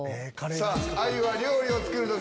さぁあゆは料理を作る時